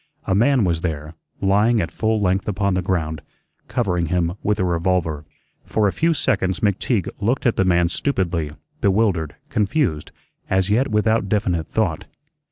A man was there, lying at full length upon the ground, covering him with a revolver. For a few seconds McTeague looked at the man stupidly, bewildered, confused, as yet without definite thought.